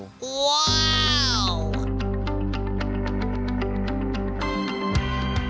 ว้าว